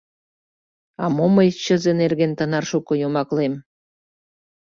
А мо мый чызе нерген тынар шуко йомаклем?